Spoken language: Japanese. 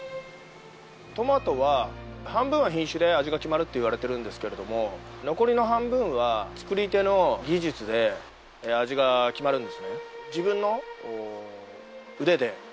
トマトは半分は品種で味が決まるっていわれてるんですけれども残りの半分は作り手の技術で味が決まるんですね。